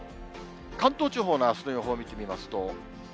関東地方のあすの予報見てみますと。